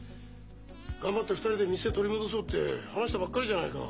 「頑張って２人で店取り戻そう」って話したばっかりじゃないか。